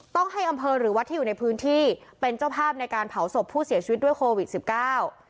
ต้องให้อำเภอหรือวัดที่อยู่ในพื้นที่เป็นเจ้าภาพในการเผาศพผู้เสียชีวิตด้วยโควิดสิบเก้า